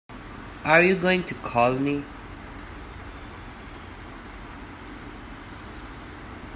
Are you going to call me?